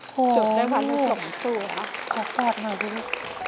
โอ้โฮขอบคุณมากจริงจดได้๑๒ตัวค่ะขอบคุณมากจริง